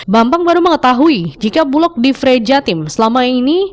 bambang baru mengetahui jika bulog di frejatim selama ini